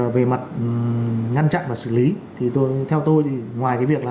về mặt ngăn chặn và xử lý thì theo tôi thì ngoài cái việc là